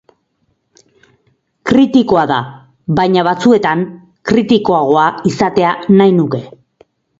Kritikoa da, baina batzuetan kritikoagoa izatea nahi nuke.